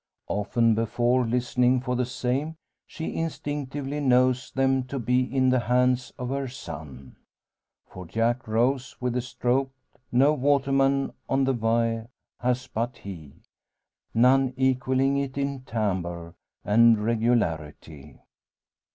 Often before listening for the same, she instinctively knows them to be in the hands of her son. For Jack rows with a stroke no waterman on the Wye has but he none equalling it in timbre and regularity.